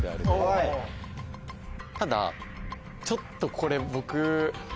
ただちょっとこれ僕。